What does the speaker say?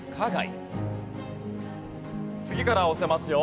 次からは押せますよ。